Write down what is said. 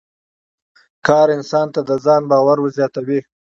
کار انسان ته د ځان باور ور زیاتوي